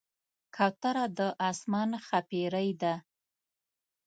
کوتره د آسمان ښاپېرۍ ده.